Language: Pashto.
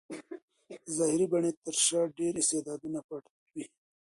د ظاهري بڼې تر شا ډېر استعدادونه پټ وي.